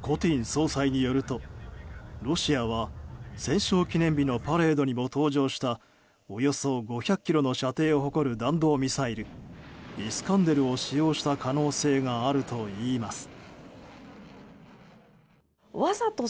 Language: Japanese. コティン総裁によるとロシアは戦勝記念日のパレードにも登場したおよそ５００ｋｍの射程を誇る弾道ミサイル、イスカンデルを使用した可能性があるといいます。